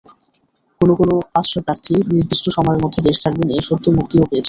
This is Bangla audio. কোনো কোনো আশ্রয়প্রার্থী নির্দিষ্ট সময়ের মধ্যে দেশ ছাড়বেন—এই শর্তে মুক্তিও পেয়েছেন।